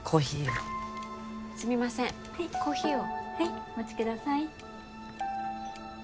はいコーヒーをはいお待ちください